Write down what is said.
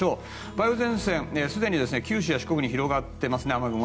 梅雨前線すでに九州や四国に広がっています、雨雲。